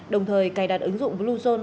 đồng thời cài đặt ứng dụng bluezone